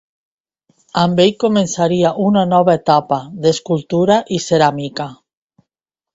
Amb ell començaria una nova etapa d'escultura i ceràmica.